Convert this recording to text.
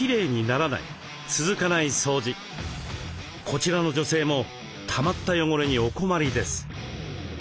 こちらの女性もたまった汚れにお困りです。